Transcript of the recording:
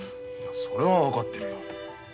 それは分かってるよ。